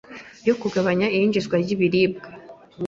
yo kugabanya iyinjizwa ryibiribwa